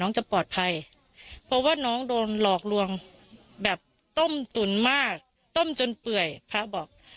จะปลอดภัยเพราะว่าน้องโดนหลอกลวงแบบต้มตุ๋นมากต้มจนเปื่อยพระบอก